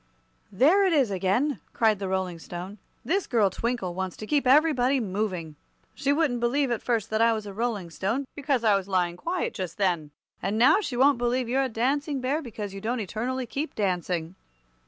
"There it is again!" cried the Rolling Stone. "This girl Twinkle wants to keep everybody moving. She wouldn't believe, at first, that I was a Rolling Stone, because I was lying quiet just then. And now she won't believe you're a Dancing Bear, because you don't eternally keep dancing."